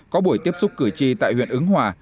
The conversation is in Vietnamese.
có buổi tiếp xúc cử tri tại huyện ứng hòa